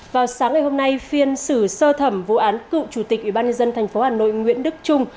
vào sáng ngày hôm nay phiên xử sơ thẩm vụ án cựu chủ tịch ủy ban nhân dân tp hà nội nguyễn đức trung